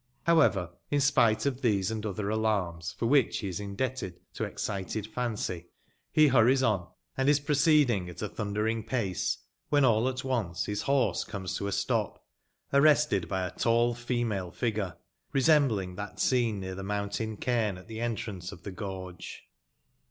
Howeyer, in spite of tbese and otber alarms, for wbicb be is indebted to excited fancy, be burries on, and is proceeding at a tbundering pace, wben all at once bis borse comes to a stop, arrested by a tall female figure, resembling tbat seen near tbe mountain caim at tbe entrance of tbe gorge.